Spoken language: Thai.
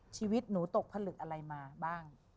ชีวิตหนูตกผลึกอะไรมาบ้าง